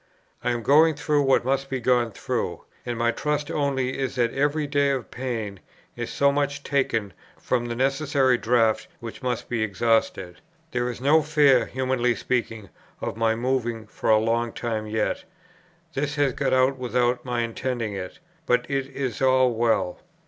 I am going through what must be gone through; and my trust only is that every day of pain is so much taken from the necessary draught which must be exhausted. There is no fear (humanly speaking) of my moving for a long time yet. This has got out without my intending it; but it is all well.